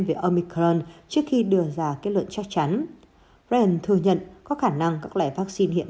về omicron trước khi đưa ra kết luận chắc chắn ryan thừa nhận có khả năng các loại vắc xin hiện